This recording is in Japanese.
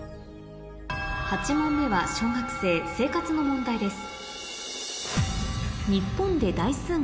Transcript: ８問目は小学生生活の問題です